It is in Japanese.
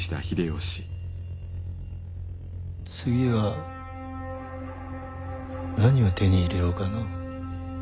次は何を手に入れようかのう。